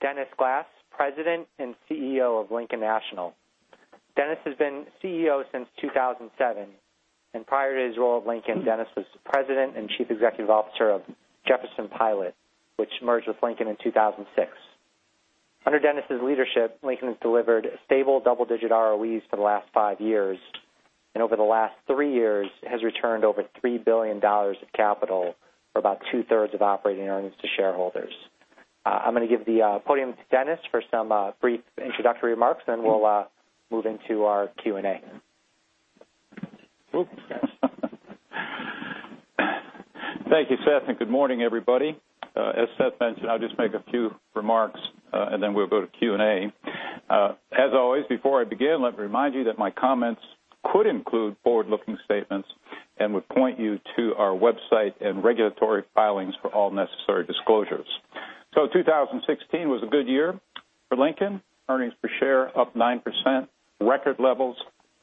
Dennis Glass, President and Chief Executive Officer of Lincoln National Corporation. Dennis has been CEO since 2007, and prior to his role at Lincoln, Dennis was the President and Chief Executive Officer of Jefferson-Pilot Corporation, which merged with Lincoln in 2006. Under Dennis’ leadership, Lincoln has delivered stable double-digit ROEs for the last 5 years, and over the last 3 years has returned over $3 billion of capital for about two-thirds of operating earnings to shareholders. I’m going to give the podium to Dennis for some brief introductory remarks, then we’ll move into our Q&A. Thank you, Seth, and good morning, everybody. As Seth mentioned, I’ll just make a few remarks, and then we’ll go to Q&A. As always, before I begin, let me remind you that my comments could include forward-looking statements and would point you to our website and regulatory filings for all necessary disclosures. 2016 was a good year for Lincoln. Earnings per share up 9%, record levels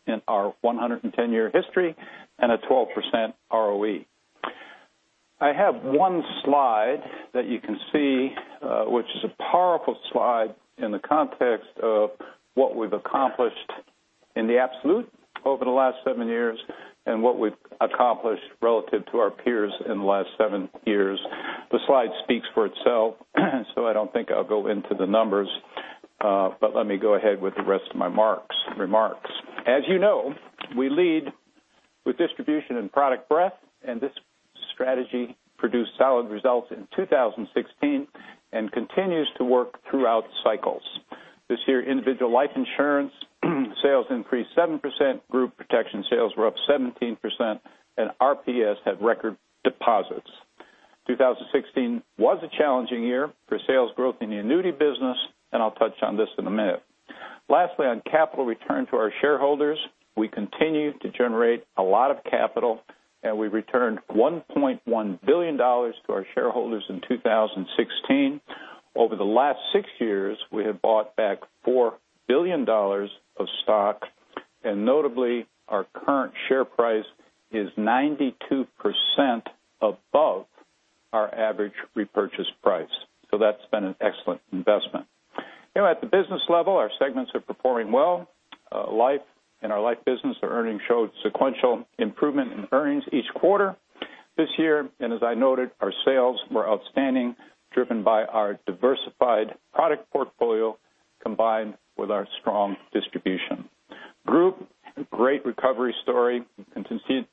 in our 110-year history, and a 12% ROE. I have one slide that you can see, which is a powerful slide in the context of what we’ve accomplished in the absolute over the last seven years and what we’ve accomplished relative to our peers in the last seven years. The slide speaks for itself, I don’t think I’ll go into the numbers. Let me go ahead with the rest of my remarks. As you know, we lead with distribution and product breadth, and this strategy produced solid results in 2016 and continues to work throughout cycles. This year, individual life insurance sales increased 7%, group protection sales were up 17%, and RPS had record deposits. 2016 was a challenging year for sales growth in the annuity business, and I’ll touch on this in a minute. Lastly, on capital return to our shareholders, we continue to generate a lot of capital, and we returned $1.1 billion to our shareholders in 2016. Over the last 6 years, we have bought back $4 billion of stock, and notably, our current share price is 92% above our average repurchase price. That’s been an excellent investment. At the business level, our segments are performing well. Life, in our life business, our earnings showed sequential improvement in earnings each quarter. This year, as I noted, our sales were outstanding, driven by our diversified product portfolio, combined with our strong distribution. Group, great recovery story, and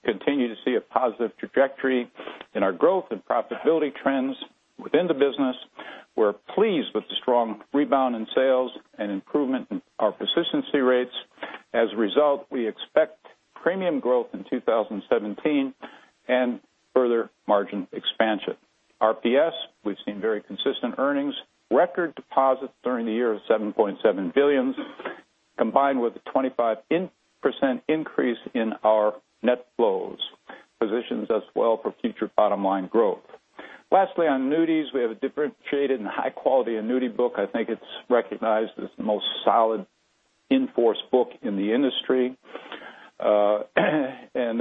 continue to see a positive trajectory in our growth and profitability trends within the business. We’re pleased with the strong rebound in sales and improvement in our persistency rates. As a result, we expect premium growth in 2017 and further margin expansion. RPS, we’ve seen very consistent earnings, record deposits during the year of $7.7 billion, combined with a 25% increase in our net flows, positions us well for future bottom-line growth. Lastly, on annuities, we have a differentiated and high-quality annuity book. I think it’s recognized as the most solid in-force book in the industry.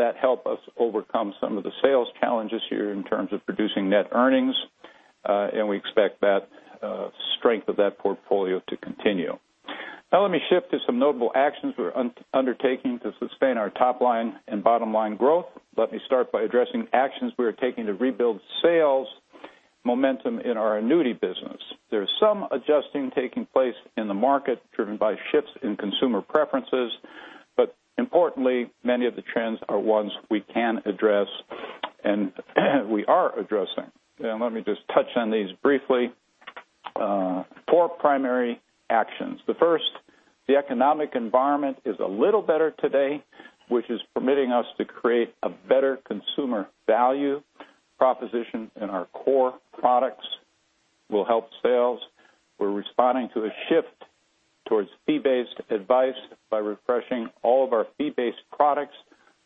That help us overcome some of the sales challenges here in terms of producing net earnings. We expect that strength of that portfolio to continue. Now let me shift to some notable actions we're undertaking to sustain our top-line and bottom-line growth. Let me start by addressing actions we are taking to rebuild sales momentum in our annuity business. There is some adjusting taking place in the market, driven by shifts in consumer preferences, but importantly, many of the trends are ones we can address and we are addressing. Let me just touch on these briefly. Four primary actions. The first, the economic environment is a little better today, which is permitting us to create a better consumer value proposition in our core products, will help sales. We're responding to a shift towards fee-based advice by refreshing all of our fee-based products,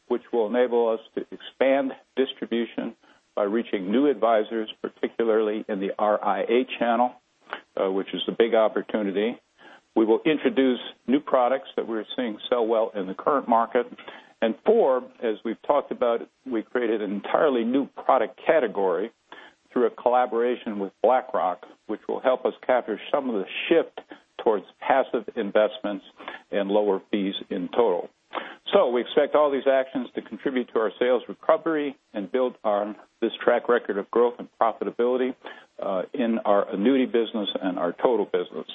which will enable us to expand distribution by reaching new advisors, particularly in the RIA channel, which is a big opportunity. We will introduce new products that we're seeing sell well in the current market. Four, as we've talked about, we created an entirely new product category through a collaboration with BlackRock, which will help us capture some of the shift towards passive investments and lower fees in total. We expect all these actions to contribute to our sales recovery and build on this track record of growth and profitability in our annuity business and our total business.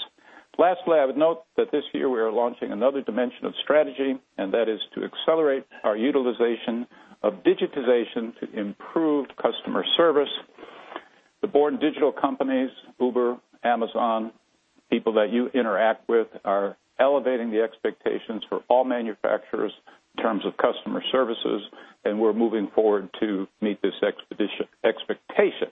Lastly, I would note that this year we are launching another dimension of strategy, and that is to accelerate our utilization of digitization to improve customer service. The born-digital companies, Uber, Amazon, people that you interact with, are elevating the expectations for all manufacturers in terms of customer services, and we're moving forward to meet this expectation.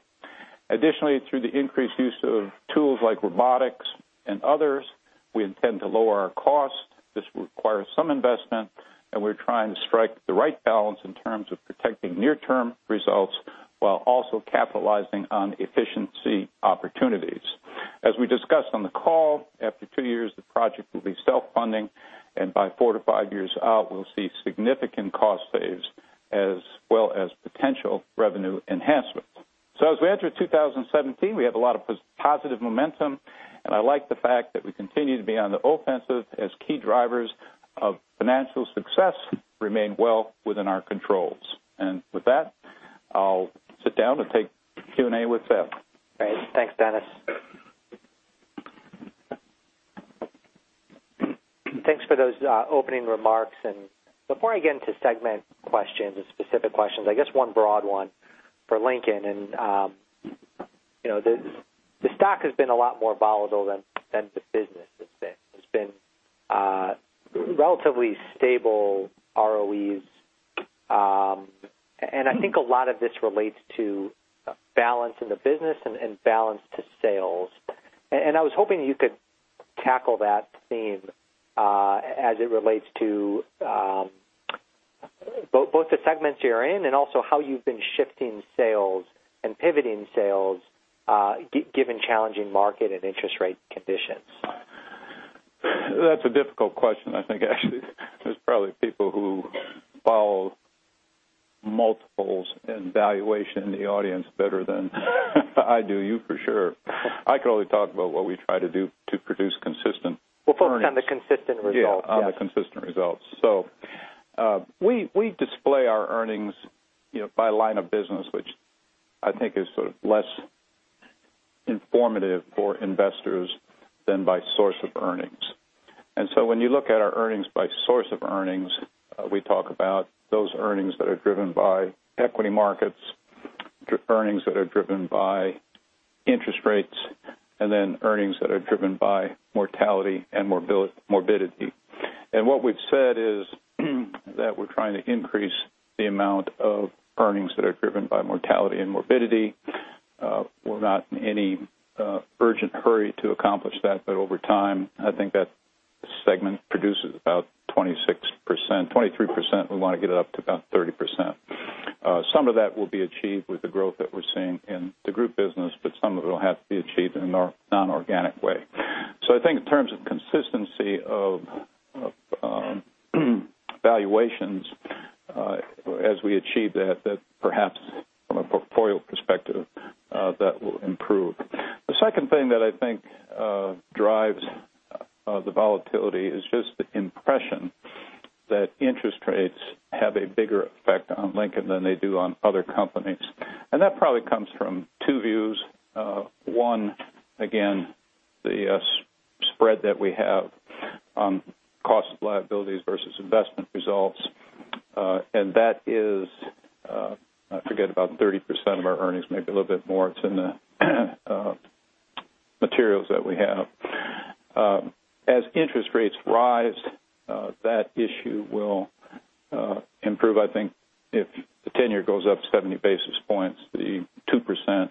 Additionally, through the increased use of tools like robotics and others, we intend to lower our cost. This requires some investment, and we're trying to strike the right balance in terms of protecting near-term results while also capitalizing on efficiency opportunities. Two years, the project will be self-funding, and by 4-5 years out, we'll see significant cost saves as well as potential revenue enhancements. As we enter 2017, we have a lot of positive momentum, and I like the fact that we continue to be on the offensive as key drivers of financial success remain well within our controls. With that, I'll sit down and take Q&A with Seth. Great. Thanks, Dennis. Thanks for those opening remarks. Before I get into segment questions and specific questions, I guess one broad one for Lincoln, the stock has been a lot more volatile than the business has been. It's been relatively stable ROEs. I think a lot of this relates to balance in the business and balance to sales. I was hoping you could tackle that theme, as it relates to both the segments you're in and also how you've been shifting sales and pivoting sales, given challenging market and interest rate conditions. That's a difficult question. I think actually there's probably people who follow multiples and valuation in the audience better than I do you for sure. I can only talk about what we try to do to produce consistent earnings. We'll focus on the consistent results. Yeah, on the consistent results. We display our earnings by line of business, which I think is sort of less informative for investors than by source of earnings. When you look at our earnings by source of earnings, we talk about those earnings that are driven by equity markets, earnings that are driven by interest rates, and then earnings that are driven by mortality and morbidity. What we've said is that we're trying to increase the amount of earnings that are driven by mortality and morbidity. We're not in any urgent hurry to accomplish that, but over time, I think that segment produces about 26%, 23%, we want to get it up to about 30%. Some of that will be achieved with the growth that we're seeing in the group business, but some of it will have to be achieved in a non-organic way. I think in terms of consistency of valuations, as we achieve that, perhaps from a portfolio perspective, that will improve. The second thing that I think drives the volatility is just the impression that interest rates have a bigger effect on Lincoln than they do on other companies. That probably comes from two views. One, again, the spread that we have on cost of liabilities versus investment results. That is, I forget, about 30% of our earnings, maybe a little bit more. It's in the materials that we have. As interest rates rise, that issue will improve, I think, if the tenure goes up 70 basis points, the 2%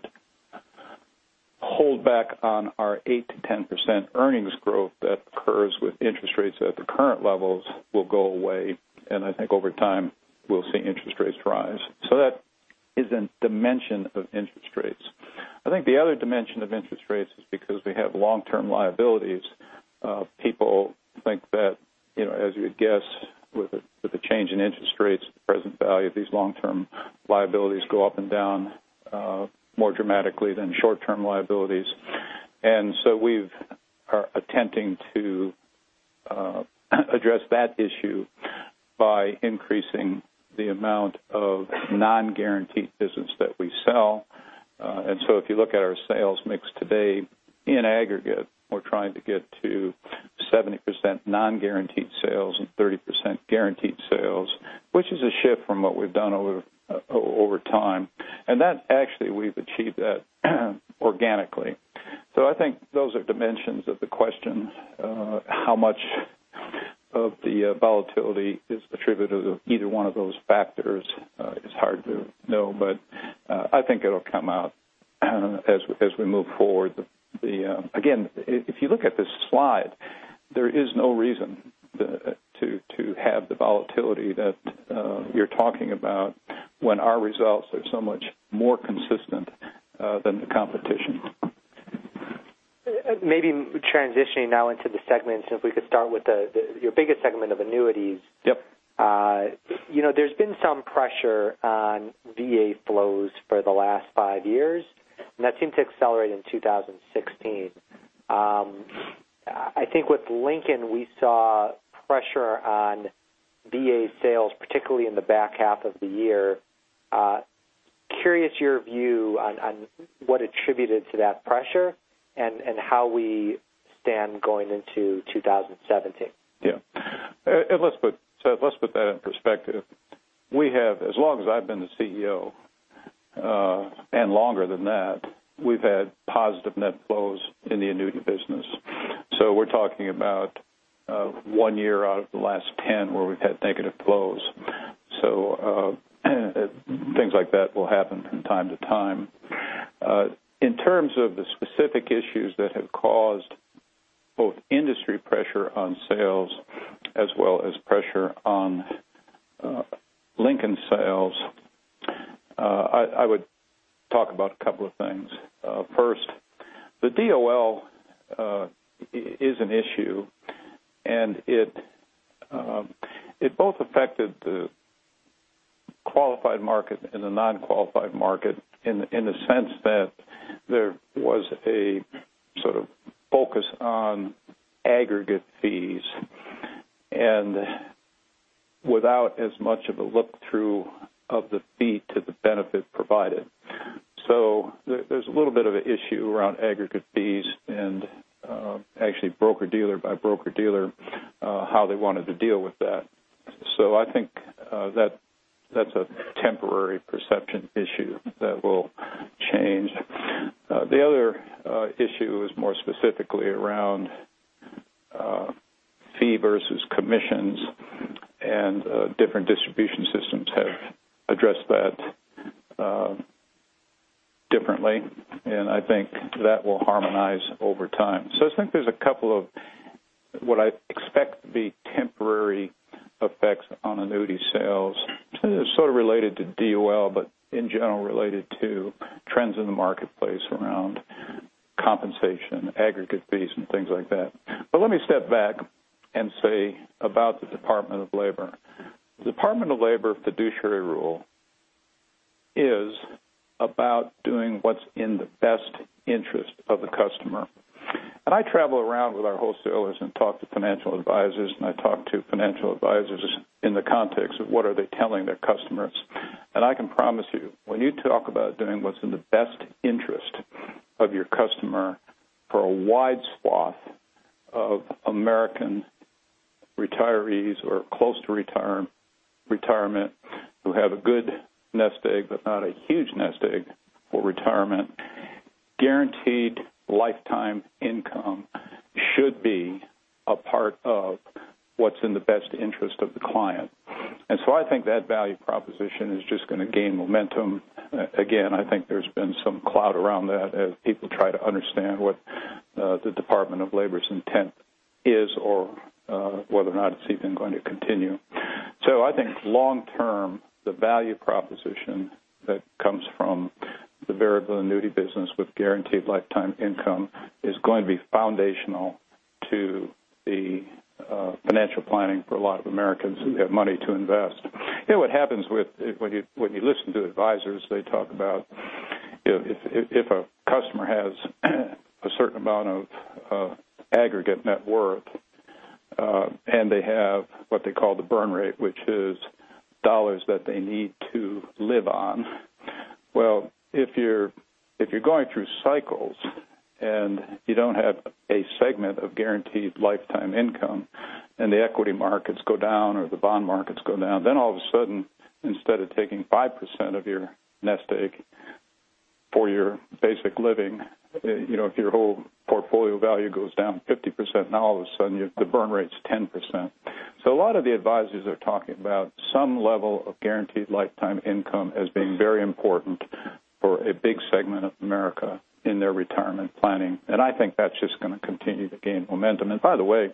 hold back on our 8%-10% earnings growth that occurs with interest rates at the current levels will go away. I think over time, we'll see interest rates rise. That is a dimension of interest rates. I think the other dimension of interest rates is because we have long-term liabilities. People think that as you would guess, with the change in interest rates, the present value of these long-term liabilities go up and down more dramatically than short-term liabilities. We're attempting to address that issue by increasing the amount of non-guaranteed business that we sell. If you look at our sales mix today, in aggregate, we're trying to get to 70% non-guaranteed sales and 30% guaranteed sales, which is a shift from what we've done over time. That actually, we've achieved that organically. I think those are dimensions of the question. How much of the volatility is attributed to either one of those factors is hard to know. I think it'll come out as we move forward. Again, if you look at this slide, there is no reason to have the volatility that you're talking about when our results are so much more consistent than the competition. Maybe transitioning now into the segments, if we could start with your biggest segment of annuities. Yep. There's been some pressure on VA flows for the last 5 years, and that seemed to accelerate in 2016. I think with Lincoln, we saw pressure on VA sales, particularly in the back half of the year. Curious your view on what attributed to that pressure and how we stand going into 2017. Seth, let's put that in perspective. We have, as long as I've been the CEO, and longer than that, we've had positive net flows in the annuity business. We're talking about one year out of the last 10 where we've had negative flows. Things like that will happen from time to time. In terms of the specific issues that have caused both industry pressure on sales as well as pressure on Lincoln sales I would talk about a couple of things. First, the DOL is an issue, and it both affected the qualified market and the non-qualified market in the sense that there was a sort of focus on aggregate fees and without as much of a look-through of the fee to the benefit provided. There's a little bit of an issue around aggregate fees and actually broker-dealer by broker-dealer, how they wanted to deal with that. I think that's a temporary perception issue that will change. The other issue is more specifically around fee versus commissions, and different distribution systems have addressed that differently, and I think that will harmonize over time. I think there's a couple of what I expect to be temporary effects on annuity sales, sort of related to DOL, but in general related to trends in the marketplace around compensation, aggregate fees, and things like that. Let me step back and say about the Department of Labor. The Department of Labor Fiduciary Rule is about doing what's in the best interest of the customer. I travel around with our wholesalers and talk to financial advisors, and I talk to financial advisors in the context of what are they telling their customers. I can promise you, when you talk about doing what's in the best interest of your customer for a wide swath of American retirees or close to retirement who have a good nest egg, but not a huge nest egg for retirement, guaranteed lifetime income should be a part of what's in the best interest of the client. I think that value proposition is just going to gain momentum. Again, I think there's been some cloud around that as people try to understand what the Department of Labor's intent is or whether or not it's even going to continue. I think long term, the value proposition that comes from the variable annuity business with guaranteed lifetime income is going to be foundational to the financial planning for a lot of Americans who have money to invest. What happens when you listen to advisors, they talk about if a customer has a certain amount of aggregate net worth and they have what they call the burn rate, which is dollars that they need to live on. Well, if you're going through cycles and you don't have a segment of guaranteed lifetime income, and the equity markets go down or the bond markets go down, all of a sudden, instead of taking 5% of your nest egg for your basic living, if your whole portfolio value goes down 50%, now all of a sudden, the burn rate is 10%. A lot of the advisors are talking about some level of guaranteed lifetime income as being very important for a big segment of America in their retirement planning. I think that's just going to continue to gain momentum. By the way,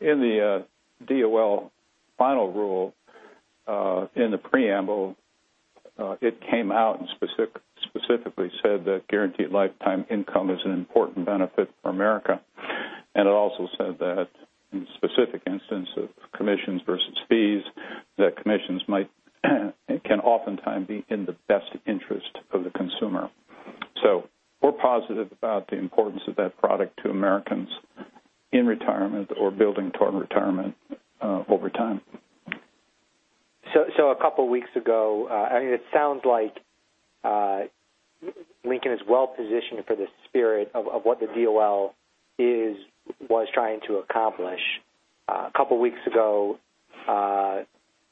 in the DOL final rule, in the preamble, it came out and specifically said that guaranteed lifetime income is an important benefit for America. It also said that in specific instances, commissions versus fees, that commissions can oftentimes be in the best interest of the consumer. We're positive about the importance of that product to Americans in retirement or building toward retirement over time. A couple of weeks ago, it sounds like Lincoln is well-positioned for the spirit of what the DOL was trying to accomplish. A couple weeks ago,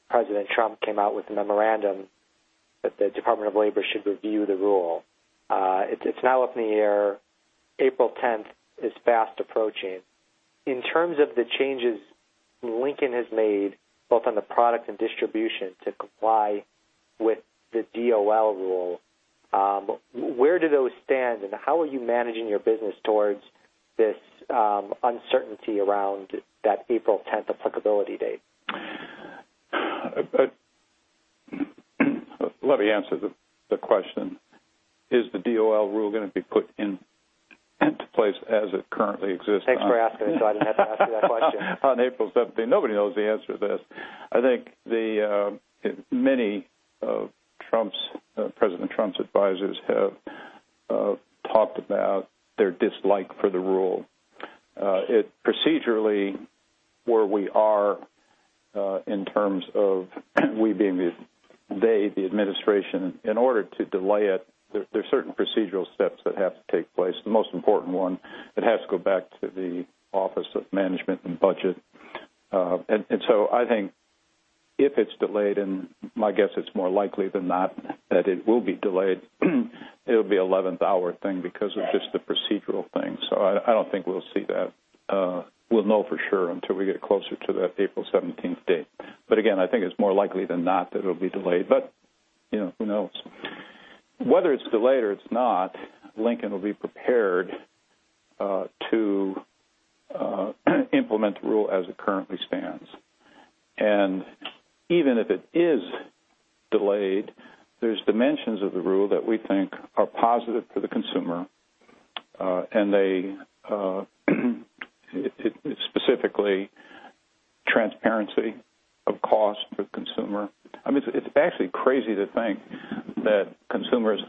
President Trump came out with a memorandum that the Department of Labor should review the rule. It's now up in the air. April 10th is fast approaching. In terms of the changes Lincoln has made, both on the product and distribution to comply with the DOL rule, where do those stand and how are you managing your business towards this uncertainty around that April 10th applicability date? Let me answer the question. Is the DOL rule going to be put into place as it currently exists? Thanks for asking, I didn't have to ask you that question. On April 5th. Nobody knows the answer to this. I think many of President Trump's advisors have talked about their dislike for the rule. Procedurally, where we are in terms of, we being they, the administration, in order to delay it, there are certain procedural steps that have to take place. The most important one, it has to go back to the Office of Management and Budget. I think if it's delayed, and my guess it's more likely than not that it will be delayed, it'll be an 11th-hour thing because of just the procedural thing. I don't think we'll see that. We'll know for sure until we get closer to that April 17th date. Again, I think it's more likely than not that it'll be delayed. Who knows? Whether it's delayed or it's not, Lincoln will be prepared to implement the rule as it currently stands. Even if it is delayed, there's dimensions of the rule that we think are positive for the consumer, and they, specifically transparency of cost for the consumer. It's actually crazy to think that consumers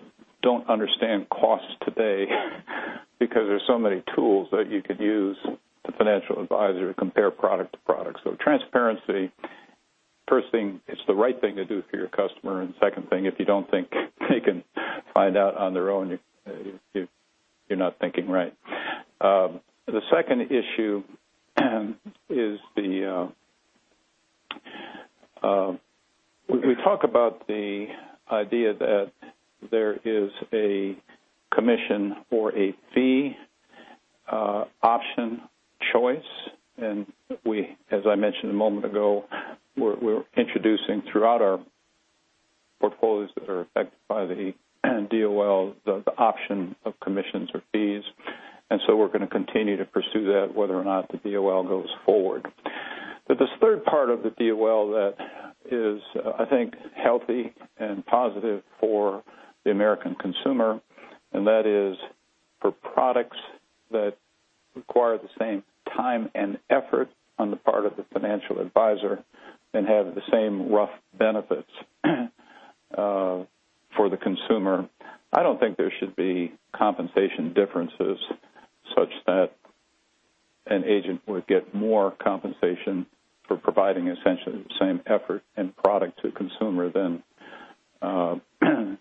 don't understand costs today because there's so many tools that you could use as a financial advisor to compare product to product. Transparency, first thing, it's the right thing to do for your customer, and second thing, if you don't think they can find out on their own, you're not thinking right. The second issue is we talk about the idea that there is a commission or a fee option choice. As I mentioned a moment ago, we're introducing throughout our portfolios that are affected by the DOL, the option of commissions or fees. We're going to continue to pursue that, whether or not the DOL goes forward. This third part of the DOL that is, I think, healthy and positive for the American consumer, and that is for products that require the same time and effort on the part of the financial advisor and have the same rough benefits for the consumer. I don't think there should be compensation differences such that an agent would get more compensation for providing essentially the same effort and product to a consumer than, again,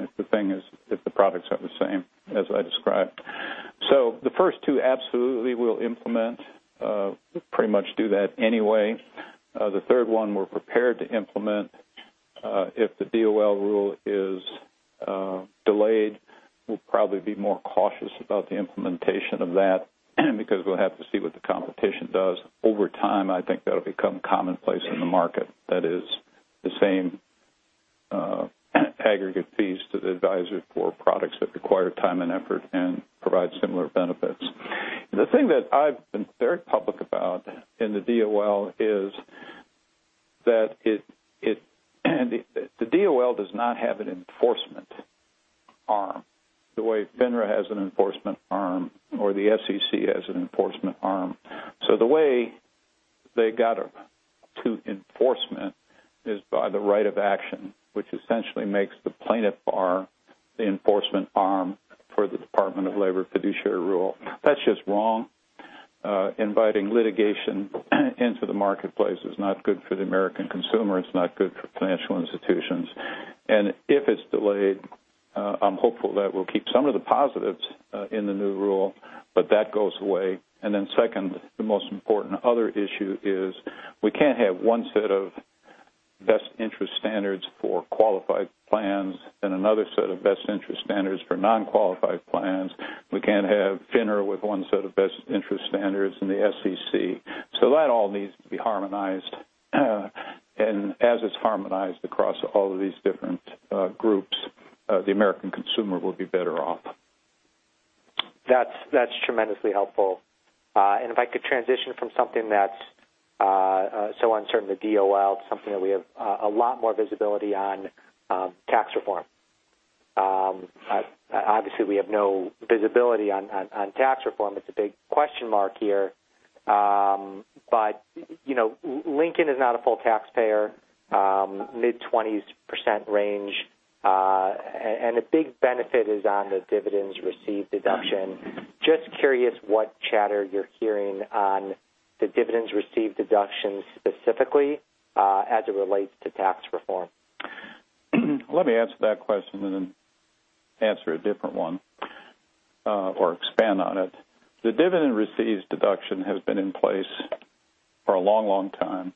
if the thing is, if the products are the same as I described. The first two absolutely we'll implement, pretty much do that anyway. The third one we're prepared to implement. If the DOL rule is delayed, we'll probably be more cautious about the implementation of that because we'll have to see what the competition does over time. I think that'll become commonplace in the market. That is the same aggregate fees to the advisor for products that require time and effort and provide similar benefits. The thing that I've been very public about in the DOL is that the DOL does not have an enforcement arm the way FINRA has an enforcement arm or the SEC has an enforcement arm. The way they got to enforcement is by the right of action, which essentially makes the plaintiff bar the enforcement arm for the Department of Labor Fiduciary Rule. That's just wrong. Inviting litigation into the marketplace is not good for the American consumer. It's not good for financial institutions. If it's delayed, I'm hopeful that we'll keep some of the positives in the new rule, but that goes away. Second, the most important other issue is we can't have one set of best interest standards for qualified plans and another set of best interest standards for non-qualified plans. We can't have FINRA with one set of best interest standards in the SEC. That all needs to be harmonized. As it's harmonized across all of these different groups, the American consumer will be better off. That's tremendously helpful. If I could transition from something that's so uncertain, the DOL, to something that we have a lot more visibility on, tax reform. Obviously, we have no visibility on tax reform. It's a big question mark here. Lincoln is not a full taxpayer, mid-20s% range. A big benefit is on the dividends-received deduction. Just curious what chatter you're hearing on the dividends-received deductions specifically as it relates to tax reform. Let me answer that question, answer a different one or expand on it. The dividends-received deduction has been in place for a long time.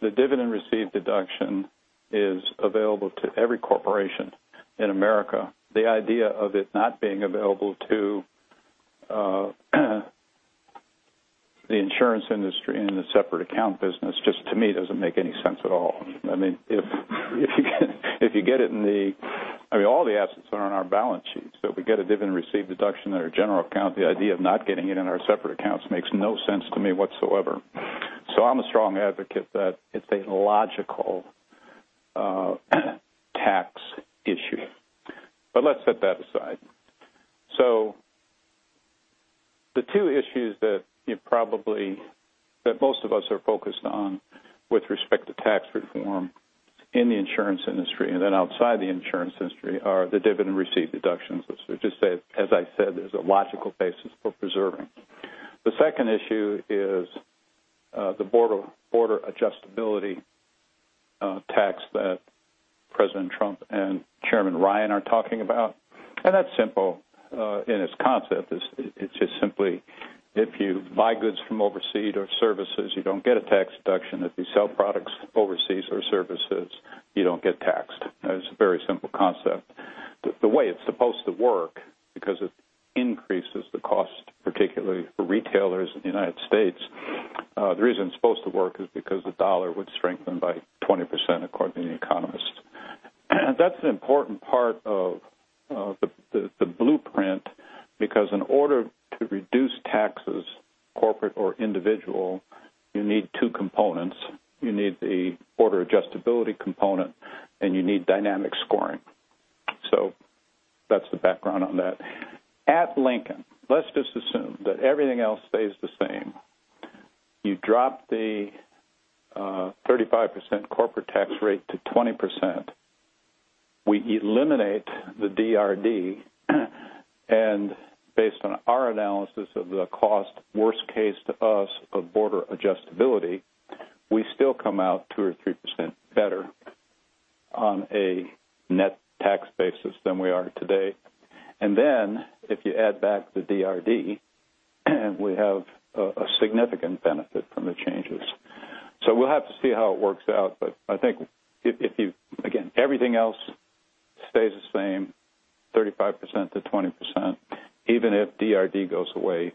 The dividends-received deduction is available to every corporation in America. The idea of it not being available to the insurance industry and the separate account business just to me doesn't make any sense at all. All the assets are on our balance sheets, so if we get a dividends-received deduction in our general account, the idea of not getting it in our separate accounts makes no sense to me whatsoever. I'm a strong advocate that it's a logical tax issue. Let's set that aside. The two issues that most of us are focused on with respect to tax reform in the insurance industry, outside the insurance industry, are the dividends-received deductions, which as I said, there's a logical basis for preserving. The second issue is the Border Adjustment Tax that President Trump and Chairman Ryan are talking about. That's simple in its concept. It's just simply if you buy goods from overseas or services, you don't get a tax deduction. If you sell products overseas or services, you don't get taxed. It's a very simple concept. The way it's supposed to work, because it increases the cost particularly for retailers in the U.S. The reason it's supposed to work is because the dollar would strengthen by 20%, according to the economists. That's an important part of the blueprint, because in order to reduce taxes, corporate or individual, you need two components. You need the Border Adjustment Tax component, and you need dynamic scoring. That's the background on that. At Lincoln, let's just assume that everything else stays the same. You drop the 35% corporate tax rate to 20%, we eliminate the DRD, and based on our analysis of the cost, worst case to us of Border Adjustment Tax, we still come out 2% or 3% better on a net tax basis than we are today. If you add back the DRD, we have a significant benefit from the changes. We'll have to see how it works out. I think if, again, everything else stays the same, 35% to 20%, even if DRD goes away,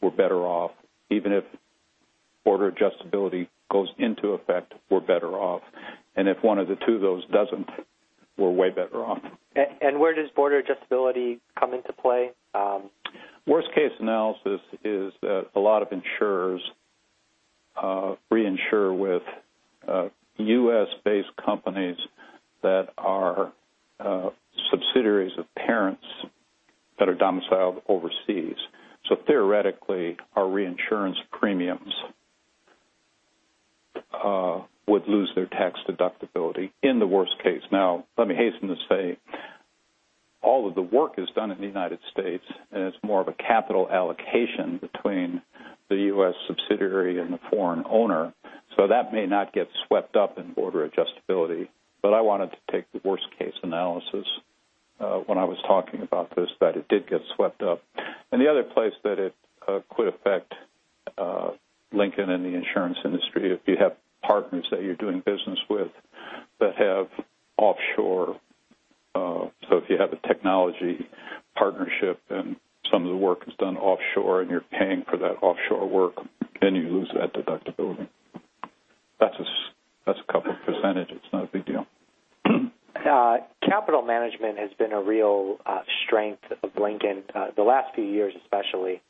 we're better off. Even if Border Adjustment Tax goes into effect, we're better off. If one of the two of those doesn't, we're way better off. Where does Border Adjustment Tax come into play? Worst case analysis is that a lot of insurers reinsure with U.S.-based companies that are subsidiaries of parents that are domiciled overseas. Theoretically, our reinsurance premiums would lose their tax deductibility in the worst case. Now, let me hasten to say, all of the work is done in the U.S., and it's more of a capital allocation between the U.S. subsidiary and the foreign owner. That may not get swept up in Border Adjustment Tax, but I wanted to take the worst-case analysis when I was talking about this, that it did get swept up. The other place that it could affect Lincoln and the insurance industry, if you have partners that you're doing business with that have offshore. If you have a technology partnership and some of the work is done offshore and you're paying for that offshore work, then you lose that deductibility. That's a couple of %. It's not a big deal. Capital management has been a real strength of Lincoln, the last few years especially.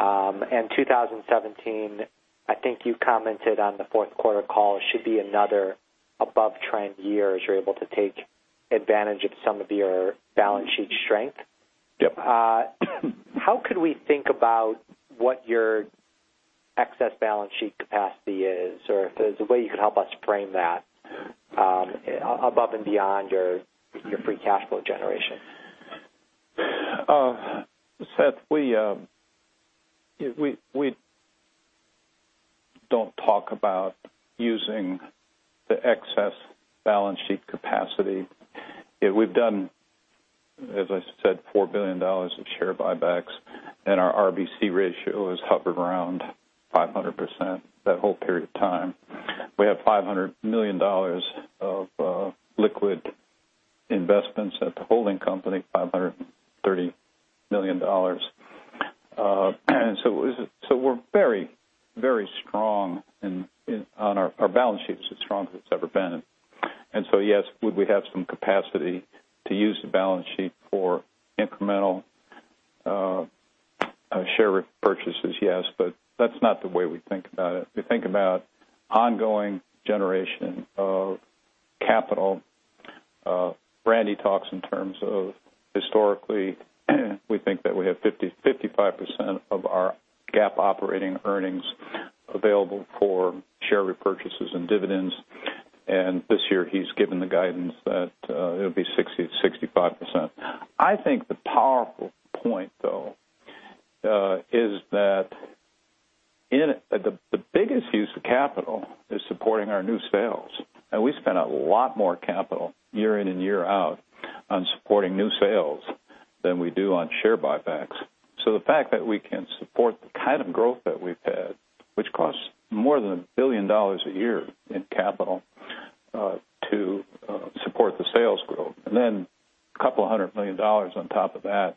2017, I think you commented on the fourth quarter call, should be another above-trend year as you're able to take advantage of some of your balance sheet strength. Yep. How could we think about what your excess balance sheet capacity is? If there's a way you could help us frame that above and beyond your free cash flow generation. Seth, we don't talk about using the excess balance sheet capacity. We've done, as I said, $4 billion of share buybacks, and our RBC ratio has hovered around 500% that whole period of time. We have $500 million of liquid investments at the holding company, $530 million. We're very strong on our balance sheet. It's as strong as it's ever been. Yes, would we have some capacity to use the balance sheet for incremental share repurchases? Yes, that's not the way we think about it. We think about ongoing generation of capital. Randy talks in terms of historically, we think that we have 50%, 55% of our GAAP operating earnings available for share repurchases and dividends. This year he's given the guidance that it'll be 60%-65%. I think the powerful point, though, is that the biggest use of capital is supporting our new sales. We spend a lot more capital year in and year out on supporting new sales than we do on share buybacks. The fact that we can support the kind of growth that we've had, which costs more than $1 billion a year in capital to support the sales growth, and then a couple of hundred million dollars on top of that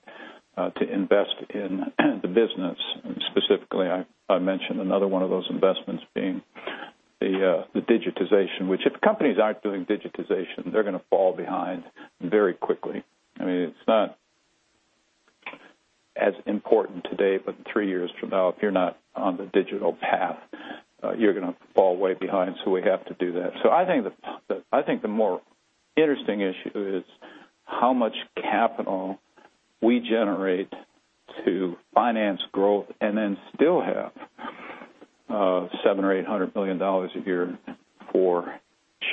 to invest in the business specifically, I mentioned another one of those investments being the digitization. Which if companies aren't doing digitization, they're going to fall behind very quickly. It's not as important today, but three years from now, if you're not on the digital path you're going to fall way behind. We have to do that. I think the more interesting issue is how much capital we generate to finance growth and then still have $700 or $800 million a year for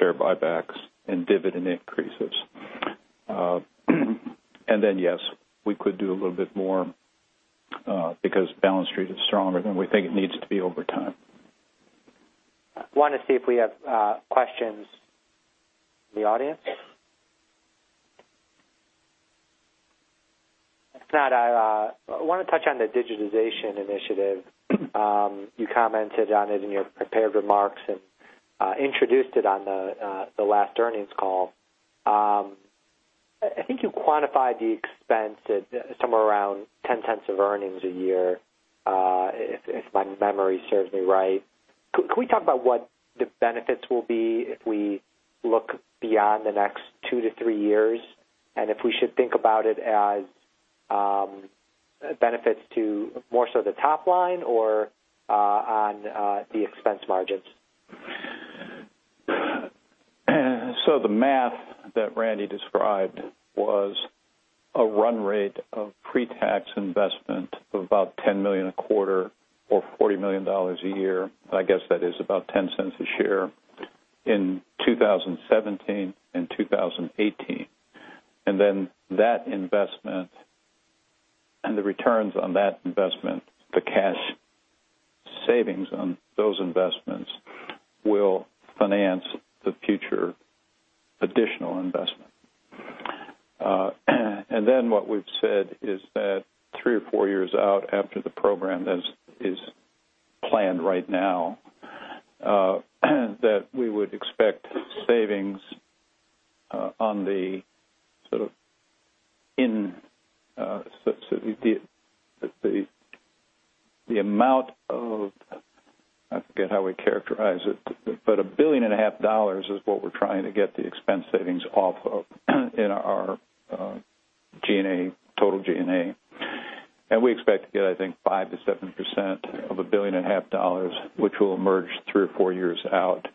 share buybacks and dividend increases. Yes, we could do a little bit more because balance sheet is stronger than we think it needs to be over time. I want to see if we have questions from the audience. If not, I want to touch on the digitization initiative. You commented on it in your prepared remarks and introduced it on the last earnings call. I think you quantified the expense at somewhere around $0.10 of earnings a year, if my memory serves me right. Could we talk about what the benefits will be if we look beyond the next two to three years, and if we should think about it as benefits to more so the top line or on the expense margins? The math that Randy described was a run rate of pre-tax investment of about $10 million a quarter or $40 million a year. I guess that is about $0.10 a share in 2017 and 2018. That investment and the returns on that investment, the cash savings on those investments will finance the future additional investment. What we've said is that three or four years out after the program that is planned right now, that we would expect savings on the amount of, I forget how we characterize it, but a billion and a half dollars is what we're trying to get the expense savings off of in our total G&A. We expect to get, I think 5% to 7% of a billion and a half dollars, which will emerge three or four years out.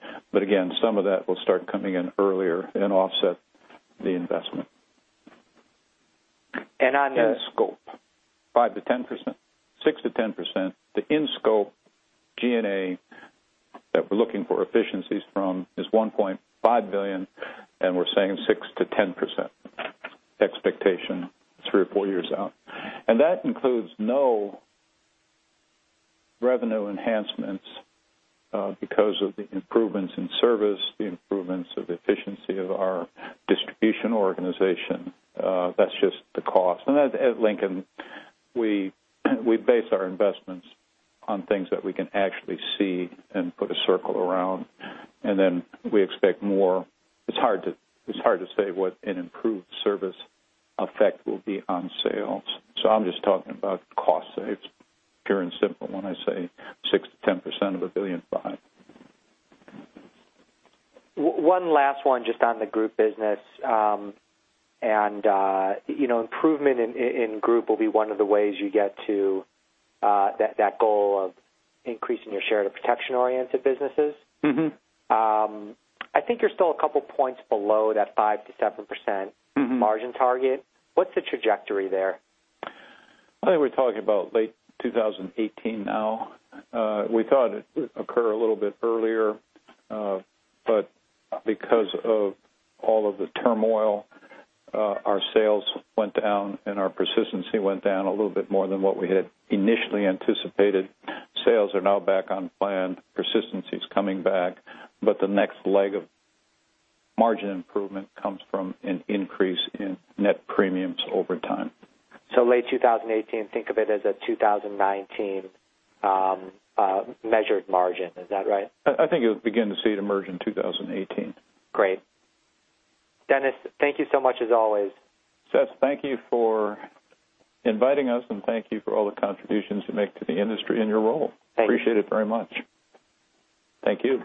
some of that will start coming in earlier and offset the investment. And on the- In scope, 5%-10%, 6%-10%. The in-scope G&A that we're looking for efficiencies from is $1.5 billion, and we're saying 6%-10% expectation three or four years out. That includes no revenue enhancements because of the improvements in service, the improvements of efficiency of our distribution organization. That's just the cost. At Lincoln, we base our investments on things that we can actually see and put a circle around, and then we expect more. It's hard to say what an improved service effect will be on sales. I'm just talking about cost saves, pure and simple, when I say 6%-10% of $1.5 billion. One last one just on the group business. Improvement in group will be one of the ways you get to that goal of increasing your share to protection-oriented businesses. I think you're still a couple points below that 5%-7% margin target. What's the trajectory there? I think we're talking about late 2018 now. We thought it would occur a little bit earlier. Because of all of the turmoil, our sales went down and our persistency went down a little bit more than what we had initially anticipated. Sales are now back on plan. Persistency is coming back, the next leg of margin improvement comes from an increase in net premiums over time. Late 2018, think of it as a 2019 measured margin. Is that right? I think you'll begin to see it emerge in 2018. Great. Dennis, thank you so much as always. Seth, thank you for inviting us, and thank you for all the contributions you make to the industry in your role. Thank you. Appreciate it very much. Thank you.